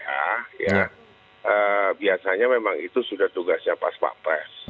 ya biasanya memang itu sudah tugasnya paspapres